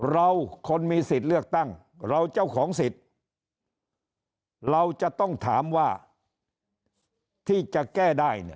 เราคนมีสิทธิ์เลือกตั้งเราเจ้าของสิทธิ์เราจะต้องถามว่าที่จะแก้ได้